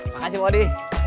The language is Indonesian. makasih pak odi